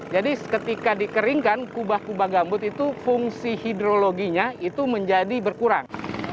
jadi ketika dikeringkan kubah kubah gambut itu fungsi hidrologinya itu menjadi berkurang